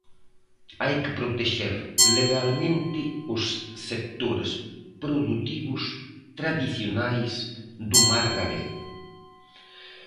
Hai que protexer legalmente os sectores produtivos tradicionais do mar galego.